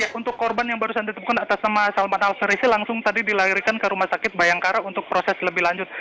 ya untuk korban yang barusan ditemukan atas nama salman al sarisi langsung tadi dilarikan ke rumah sakit bayangkara untuk proses lebih lanjut